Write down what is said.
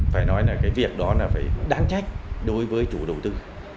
phải nói là cái việc đó là phải đáng trách đối với chủ đầu tư